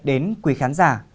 đến quý khán giả